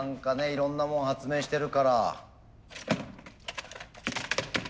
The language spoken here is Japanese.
いろんなもん発明してるから。